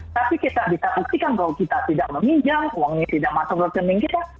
tapi kita bisa buktikan bahwa kita tidak meminjam uangnya tidak masuk rekening kita